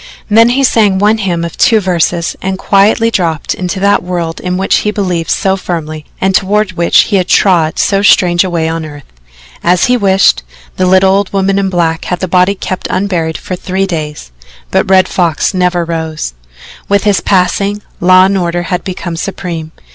Then he sang one hymn of two verses and quietly dropped into that world in which he believed so firmly and toward which he had trod so strange a way on earth. As he wished, the little old woman in black had the body kept unburied for the three days but the Red Fox never rose. With his passing, law and order had become supreme.